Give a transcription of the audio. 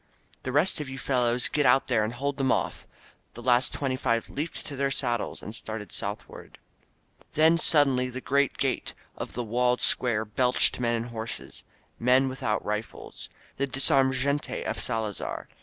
The rest of you fellows get out there and hold them off !" The last twenty five leaped to their saddles and started southward. Then suddenly the great gate of the walled square belched men and horses — ^men without rifles. The dis armed gente of Salazar!